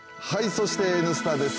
そして、「Ｎスタ」です。